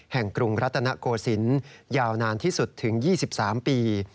แห่งกรุงรัตนโกสินยาวนานที่สุดถึงยี่สิบสามปี